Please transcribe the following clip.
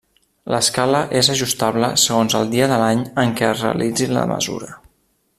L'escala és ajustable segons el dia de l'any en què es realitzi la mesura.